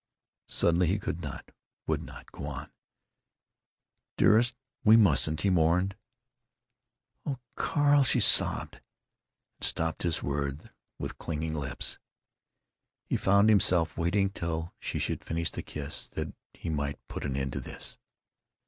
Suddenly he could not, would not, go on. "Dearest, we mustn't!" he mourned. "O Carl!" she sobbed, and stopped his words with clinging lips. He found himself waiting till she should finish the kiss that he might put an end to this.